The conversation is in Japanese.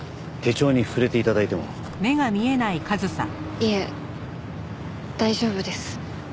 いえ大丈夫です。